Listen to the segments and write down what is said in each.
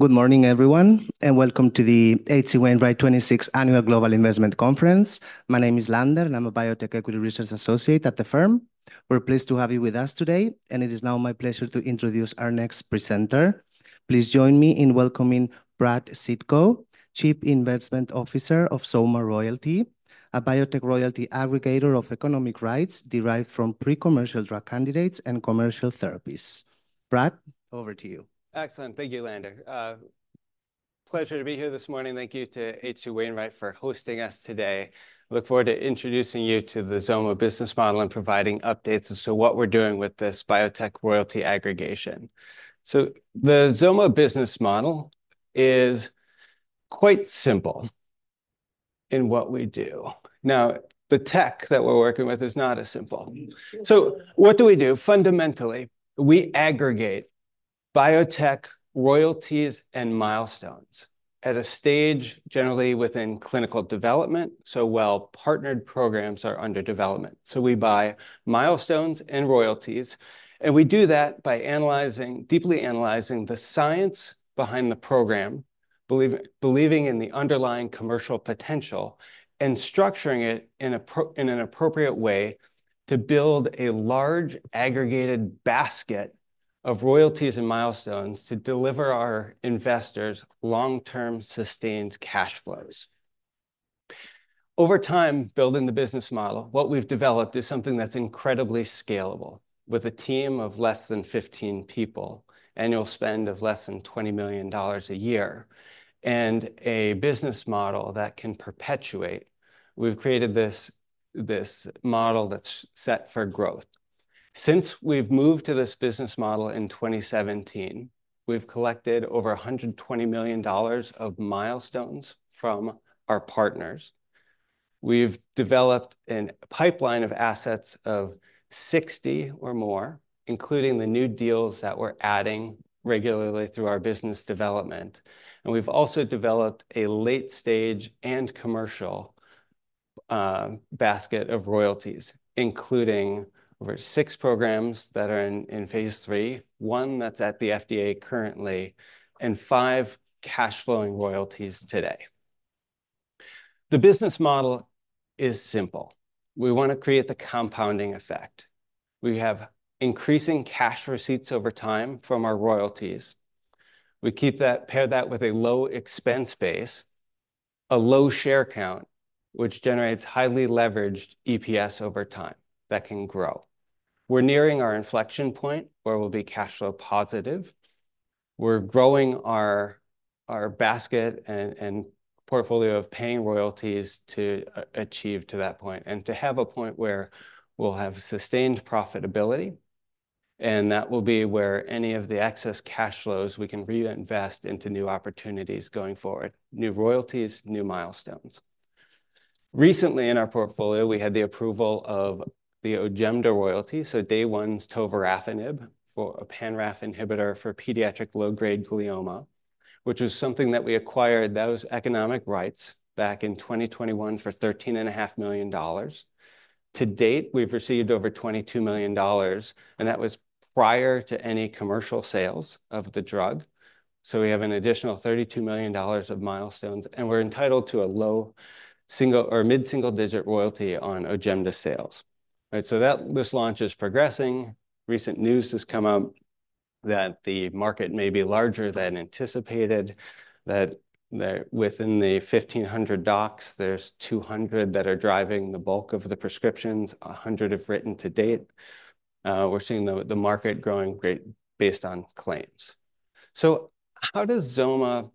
Good morning, everyone, and welcome to the H.C. Wainwright 26th Annual Global Investment Conference. My name is Lander, and I'm a biotech equity research associate at the firm. We're pleased to have you with us today, and it is now my pleasure to introduce our next presenter. Please join me in welcoming Brad Sitko, Chief Investment Officer of XOMA Royalty, a biotech royalty aggregator of economic rights derived from pre-commercial drug candidates and commercial therapies. Brad, over to you. Excellent. Thank you, Lander. Pleasure to be here this morning. Thank you to H.C. Wainwright for hosting us today. I look forward to introducing you to the XOMA business model and providing updates as to what we're doing with this biotech royalty aggregation. So the XOMA business model is quite simple in what we do. Now, the tech that we're working with is not as simple. So what do we do? Fundamentally, we aggregate biotech royalties and milestones at a stage generally within clinical development, so while partnered programs are under development. So we buy milestones and royalties, and we do that by analyzing, deeply analyzing the science behind the program, believing in the underlying commercial potential, and structuring it in an appropriate way to build a large, aggregated basket of royalties and milestones to deliver our investors long-term, sustained cash flows. Over time, building the business model, what we've developed is something that's incredibly scalable. With a team of less than 15 people, annual spend of less than $20 million a year, and a business model that can perpetuate, we've created this, this model that's set for growth. Since we've moved to this business model in 2017, we've collected over $120 million of milestones from our partners. We've developed a pipeline of assets of 60 or more, including the new deals that we're adding regularly through our business development, and we've also developed a late-stage and commercial, basket of royalties, including over six programs that are in phase III, one that's at the FDA currently, and five cash-flowing royalties today. The business model is simple. We want to create the compounding effect. We have increasing cash receipts over time from our royalties. We keep that pair that with a low expense base, a low share count, which generates highly leveraged EPS over time that can grow. We're nearing our inflection point, where we'll be cash-flow positive. We're growing our basket and portfolio of paying royalties to achieve to that point, and to have a point where we'll have sustained profitability, and that will be where any of the excess cash flows we can reinvest into new opportunities going forward, new royalties, new milestones. Recently in our portfolio, we had the approval of the Ojemda royalty, so Day One's tovorafenib, for a pan-RAF inhibitor for pediatric low-grade glioma, which is something that we acquired those economic rights back in twenty twenty-one for $13.5 million. To date, we've received over $22 million, and that was prior to any commercial sales of the drug. We have an additional $32 million of milestones, and we're entitled to a low single or mid-single-digit royalty on Ojemda sales. Right, so that, this launch is progressing. Recent news has come out that the market may be larger than anticipated, that within the 1,500 docs, there's 200 that are driving the bulk of the prescriptions. 100 have written to date. We're seeing the market growing great based on claims. How does XOMA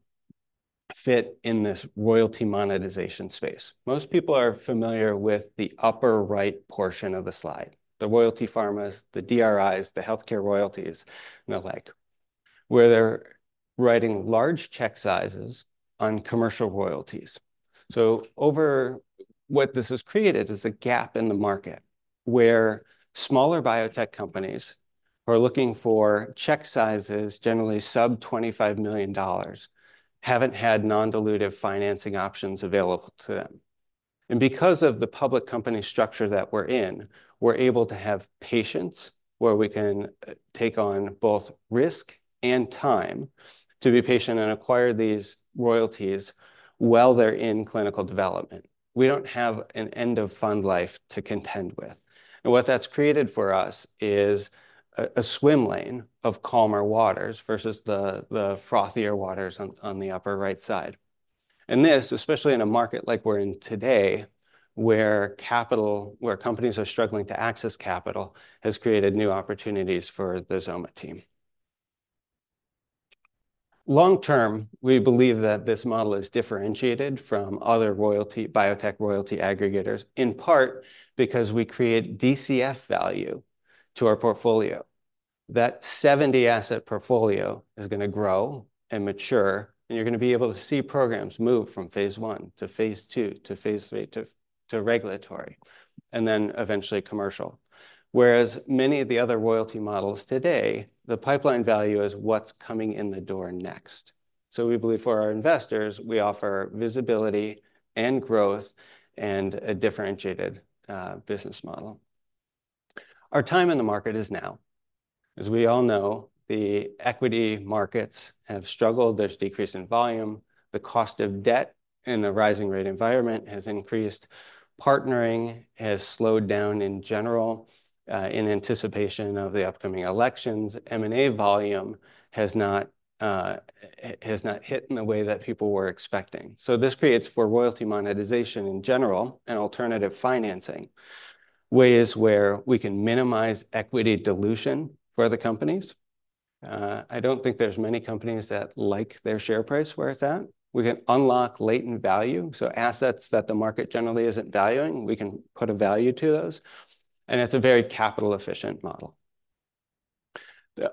fit in this royalty monetization space? Most people are familiar with the upper-right portion of the slide, the royalty pharmas, the DRIs, the healthcare royalties, and the like, where they're writing large check sizes on commercial royalties. What this has created is a gap in the market, where smaller biotech companies who are looking for check sizes, generally sub $25 million, haven't had non-dilutive financing options available to them. And because of the public company structure that we're in, we're able to have patience, where we can take on both risk and time to be patient and acquire these royalties while they're in clinical development. We don't have an end-of-fund life to contend with, and what that's created for us is a swim lane of calmer waters versus the frothier waters on the upper-right side. And this, especially in a market like we're in today, where companies are struggling to access capital, has created new opportunities for the XOMA team. Long term, we believe that this model is differentiated from other royalty, biotech royalty aggregators, in part because we create DCF value to our portfolio. That 70-asset portfolio is gonna grow and mature, and you're gonna be able to see programs move from phase I to phase II, to phase III, to regulatory, and then eventually commercial. Whereas many of the other royalty models today, the pipeline value is what's coming in the door next. So we believe, for our investors, we offer visibility and growth and a differentiated business model. Our time in the market is now. As we all know, the equity markets have struggled. There's decrease in volume, the cost of debt in a rising rate environment has increased. Partnering has slowed down in general in anticipation of the upcoming elections. M&A volume has not hit in the way that people were expecting. So this creates for royalty monetization in general and alternative financing, ways where we can minimize equity dilution for the companies. I don't think there's many companies that like their share price where it's at. We can unlock latent value, so assets that the market generally isn't valuing, we can put a value to those, and it's a very capital-efficient model.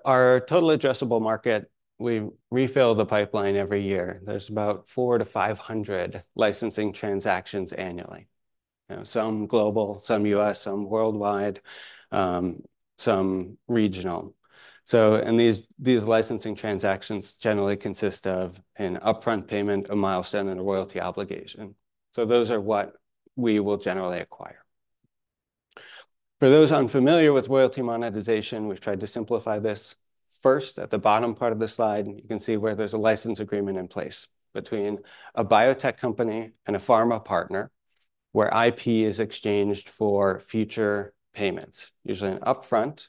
Our total addressable market, we refill the pipeline every year. There's about four to five hundred licensing transactions annually. You know, some global, some U.S., some worldwide, some regional. So and these licensing transactions generally consist of an upfront payment, a milestone, and a royalty obligation. So those are what we will generally acquire. For those unfamiliar with royalty monetization, we've tried to simplify this. First, at the bottom part of the slide, you can see where there's a license agreement in place between a biotech company and a pharma partner, where IP is exchanged for future payments, usually an upfront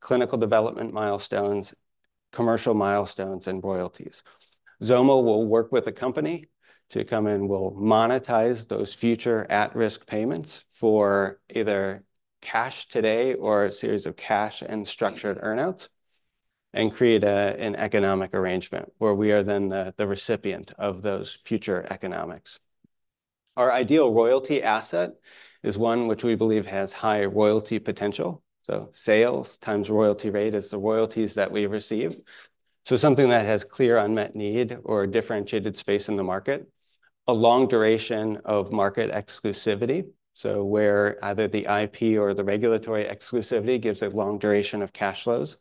clinical development milestones, commercial milestones, and royalties. XOMA will work with a company to come in, and we'll monetize those future at-risk payments for either cash today or a series of cash and structured earn-outs, and create an economic arrangement where we are then the recipient of those future economics. Our ideal royalty asset is one which we believe has high royalty potential, so sales times royalty rate is the royalties that we receive. So something that has clear unmet need or differentiated space in the market, a long duration of market exclusivity, so where either the IP or the regulatory exclusivity gives it long duration of cash flows,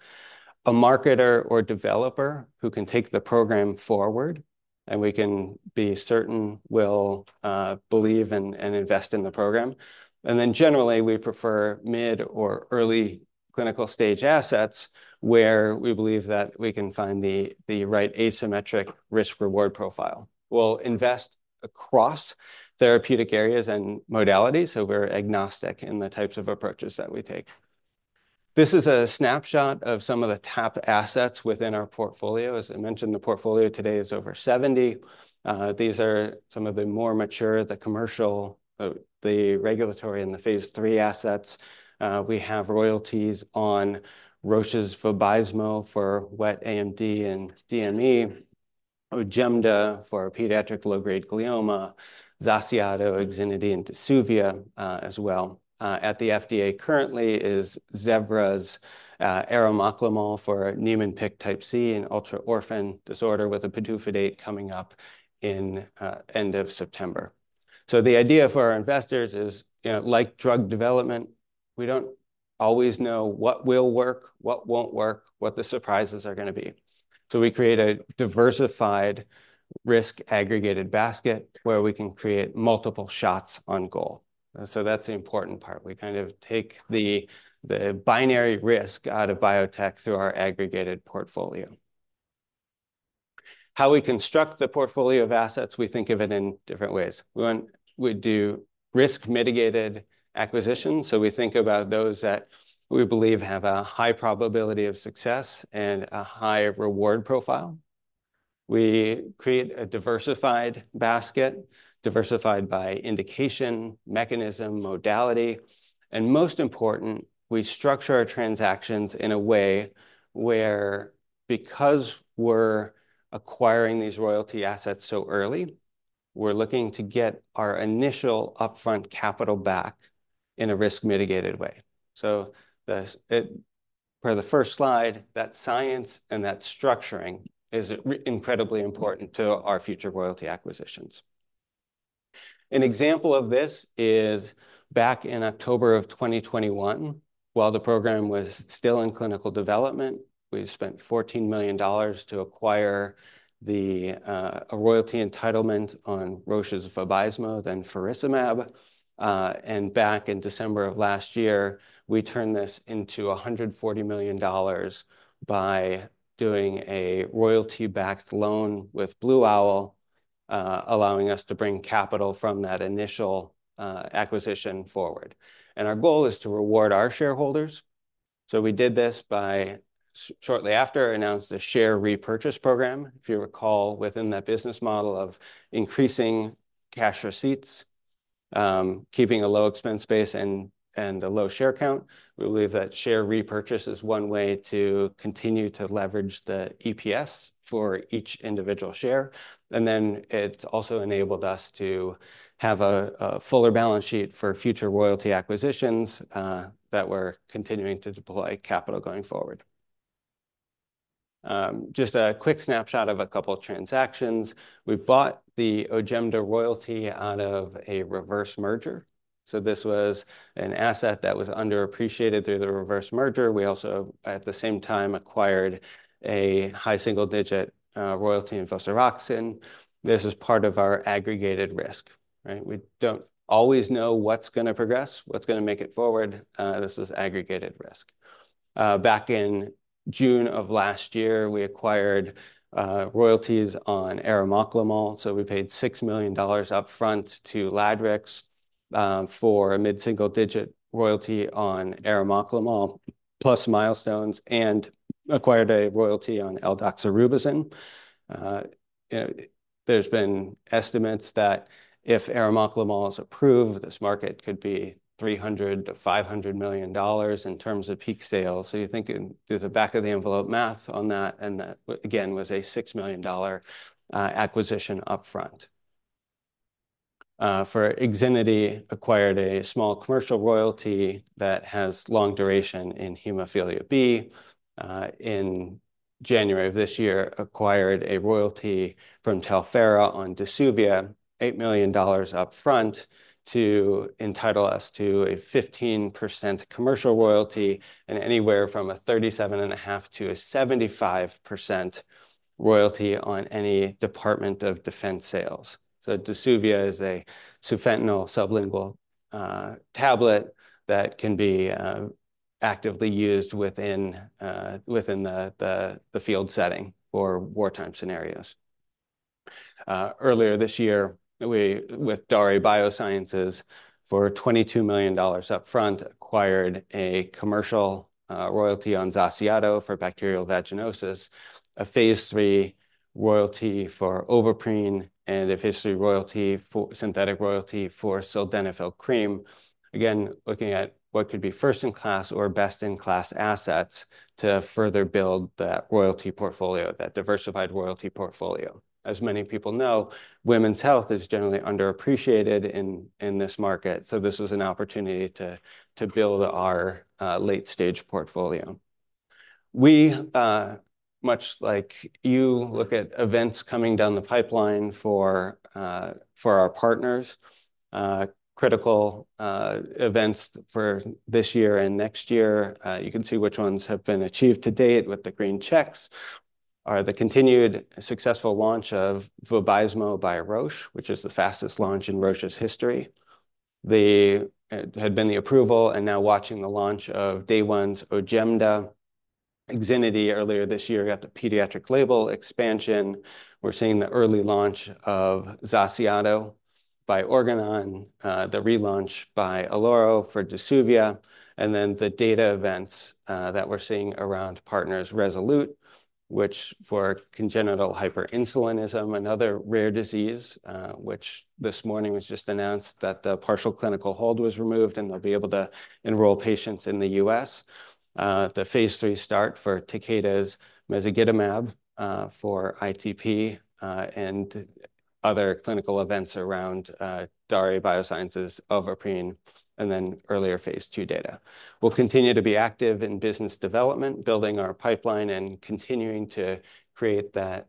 a marketer or developer who can take the program forward, and we can be certain will believe and invest in the program. And then generally, we prefer mid or early clinical-stage assets where we believe that we can find the right asymmetric risk-reward profile. We'll invest across therapeutic areas and modalities, so we're agnostic in the types of approaches that we take. This is a snapshot of some of the top assets within our portfolio. As I mentioned, the portfolio today is over seventy. These are some of the more mature, the commercial, the regulatory, and the phase III assets. We have royalties on Roche's Vabysmo for wet AMD and DME, Ojemda for pediatric low-grade glioma, XACIATO, IXINITY, and DSUVIA, as well. At the FDA currently is Zevra's arimoclomol for Niemann-Pick type C, an ultra-orphan disorder, with a PDUFA date coming up in end of September. So the idea for our investors is, you know, like drug development, we don't always know what will work, what won't work, what the surprises are gonna be. So we create a diversified risk aggregated basket, where we can create multiple shots on goal. So that's the important part. We kind of take the binary risk out of biotech through our aggregated portfolio. How we construct the portfolio of assets, we think of it in different ways. One, we do risk-mitigated acquisitions, so we think about those that we believe have a high probability of success and a high reward profile. We create a diversified basket, diversified by indication, mechanism, modality, and most important, we structure our transactions in a way where, because we're acquiring these royalty assets so early, we're looking to get our initial upfront capital back in a risk-mitigated way. So the. For the first slide, that science and that structuring is incredibly important to our future royalty acquisitions. An example of this is back in October of twenty twenty-one, while the program was still in clinical development, we spent $14 million to acquire the, a royalty entitlement on Roche's Vabysmo, then faricimab. And back in December of last year, we turned this into $140 million by doing a royalty-backed loan with Blue Owl, allowing us to bring capital from that initial acquisition forward. Our goal is to reward our shareholders, so we did this by, shortly after, announcing a share repurchase program. If you recall, within that business model of increasing cash receipts, keeping a low expense base and a low share count, we believe that share repurchase is one way to continue to leverage the EPS for each individual share. And then it also enabled us to have a fuller balance sheet for future royalty acquisitions that we're continuing to deploy capital going forward. Just a quick snapshot of a couple transactions. We bought the Ojemda royalty out of a reverse merger, so this was an asset that was underappreciated through the reverse merger. We also, at the same time, acquired a high single-digit royalty in vosaroxin. This is part of our aggregated risk, right? We don't always know what's gonna progress, what's gonna make it forward. This is aggregated risk. Back in June of last year, we acquired royalties on arimoclomol, so we paid $6 million upfront to LadRx for a mid-single-digit royalty on arimoclomol, plus milestones, and acquired a royalty on aldoxorubicin. You know, there's been estimates that if arimoclomol is approved, this market could be $300 million-$500 million in terms of peak sales. So you think do the back of the envelope math on that, and that, again, was a $6 million acquisition upfront. For IXINITY, acquired a small commercial royalty that has long duration in hemophilia B. In January of this year, acquired a royalty from Talphera on DSUVIA, $8 million upfront to entitle us to a 15% commercial royalty, and anywhere from a 37.5%-75% royalty on any Department of Defense sales. So DSUVIA is a sufentanil sublingual tablet that can be actively used within the field setting or wartime scenarios. Earlier this year, we, with Daré Biosciences, for $22 million upfront, acquired a commercial royalty on XACIATO for bacterial vaginosis, a phase III royalty for Ovaprene, and a phase III royalty for synthetic royalty for sildenafil cream. Again, looking at what could be first-in-class or best-in-class assets to further build that royalty portfolio, that diversified royalty portfolio. As many people know, women's health is generally underappreciated in this market, so this was an opportunity to build our late-stage portfolio. We, much like you, look at events coming down the pipeline for our partners, critical events for this year and next year. You can see which ones have been achieved to date with the green checks: the continued successful launch of Vabysmo by Roche, which is the fastest launch in Roche's history. The approval, and now watching the launch of Day One's Ojemda. IXINITY, earlier this year, got the pediatric label expansion. We're seeing the early launch of XACIATO by Organon, the relaunch by Alora for DSUVIA, and then the data events that we're seeing around partner's Rezolute, which for congenital hyperinsulinism, another rare disease, which this morning was just announced that the partial clinical hold was removed, and they'll be able to enroll patients in the US. The phase III start for Takeda's mezagitamab for ITP, and other clinical events around Daré Bioscience, Ovaprene, and then earlier phase II data. We'll continue to be active in business development, building our pipeline and continuing to create that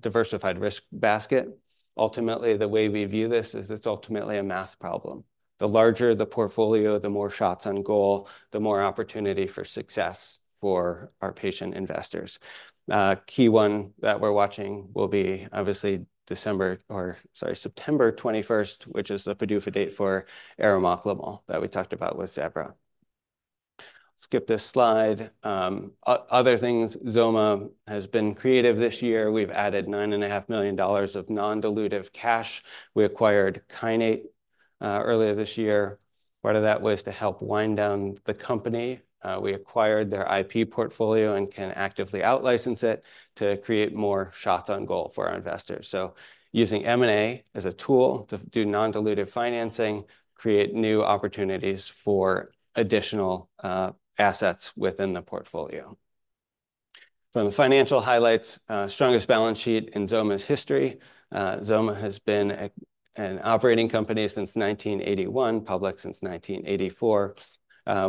diversified risk basket. Ultimately, the way we view this is it's ultimately a math problem. The larger the portfolio, the more shots on goal, the more opportunity for success for our patient investors. Key one that we're watching will be obviously December, or sorry, September twenty-first, which is the PDUFA date for arimoclomol that we talked about with Zevra. Skip this slide. Other things, XOMA has been creative this year. We've added $9.5 million of non-dilutive cash. We acquired Kinnate earlier this year. Part of that was to help wind down the company. We acquired their IP portfolio and can actively out-license it to create more shots on goal for our investors. So using M&A as a tool to do non-dilutive financing, create new opportunities for additional assets within the portfolio. From the financial highlights, strongest balance sheet in XOMA's history. XOMA has been an operating company since 1981, public since 1984.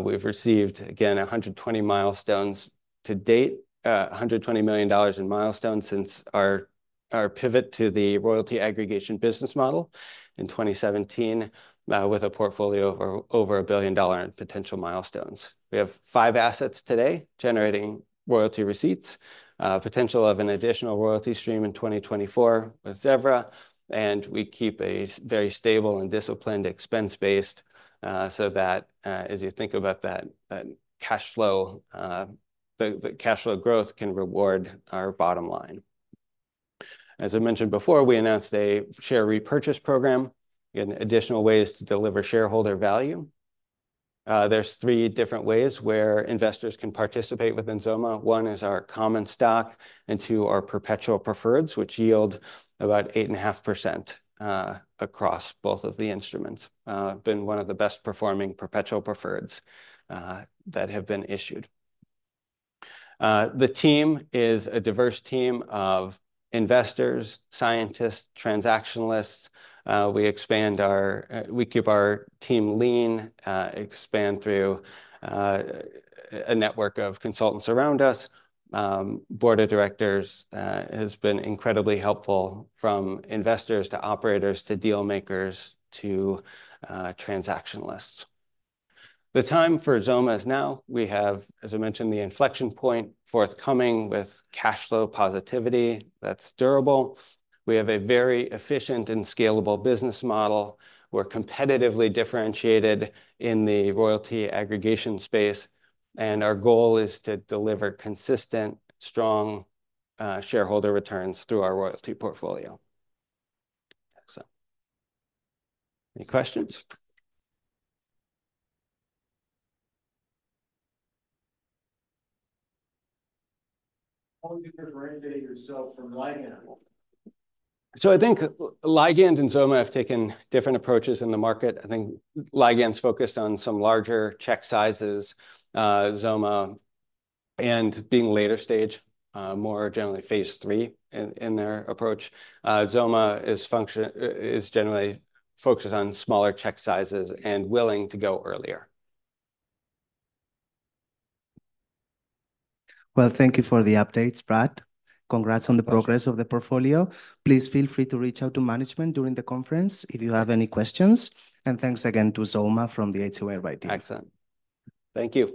We've received, again, 120 milestones to date, $120 million in milestones since our pivot to the royalty aggregation business model in 2017, with a portfolio of over $1 billion in potential milestones. We have five assets today generating royalty receipts, potential of an additional royalty stream in 2024 with Zevra, and we keep a very stable and disciplined expense base, so that, as you think about that cash flow, the cash flow growth can reward our bottom line. As I mentioned before, we announced a share repurchase program in additional ways to deliver shareholder value. There's three different ways where investors can participate within XOMA. One is our common stock, and two are perpetual preferreds, which yield about 8.5%, across both of the instruments. Been one of the best performing perpetual preferreds that have been issued. The team is a diverse team of investors, scientists, transactionalists. We keep our team lean, expand through a network of consultants around us. Board of Directors has been incredibly helpful, from investors, to operators, to deal makers, to transactionalists. The time for XOMA is now. We have, as I mentioned, the inflection point forthcoming with cash flow positivity that's durable. We have a very efficient and scalable business model. We're competitively differentiated in the royalty aggregation space, and our goal is to deliver consistent, strong shareholder returns through our royalty portfolio. So any questions? How would you differentiate yourself from Ligand? So I think Ligand and XOMA have taken different approaches in the market. I think Ligand's focused on some larger check sizes, XOMA, and being later stage, more generally phase three in their approach. XOMA is generally focused on smaller check sizes and willing to go earlier. Thank you for the updates, Brad. Congrats on the progress of the portfolio. Please feel free to reach out to management during the conference if you have any questions, and thanks again to XOMA from H.C. Wainwright. Excellent. Thank you.